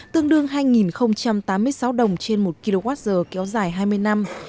tương đương hai tám mươi sáu đồng trên một kwh kéo dài hai mươi năm